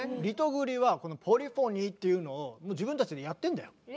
リトグリはこのポリフォニーっていうのをもう自分たちでやってんだよ。